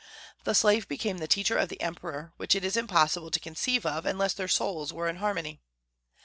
The slave became the teacher of the emperor, which it is impossible to conceive of unless their souls were in harmony.